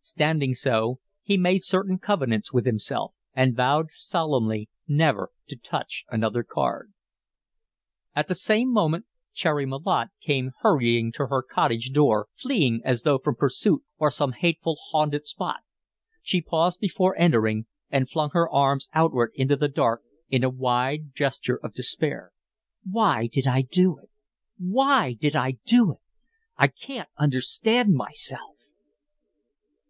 Standing so, he made certain covenants with himself, and vowed solemnly never to touch another card. At the same moment Cherry Malotte came hurrying to her cottage door, fleeing as though from pursuit or from some hateful, haunted spot. She paused before entering and flung her arms outward into the dark in a wide gesture of despair. "Why did I do it? Oh! WHY did I do it? I can't understand myself."